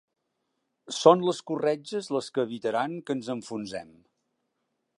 Són les corretges les que evitaran que ens enfonsem.